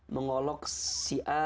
mengolok si a